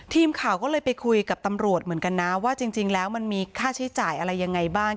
ทีมข่าวก็เลยไปคุยกับตำรวจเหมือนกันนะว่าจริงแล้วมันมีค่าใช้จ่ายอะไรยังไงบ้าง